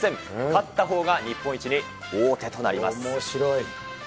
勝ったほうが日本一に王手となります。